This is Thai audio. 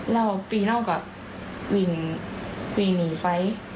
เล่าอากปีนอกกะวีนงีนิ่งไป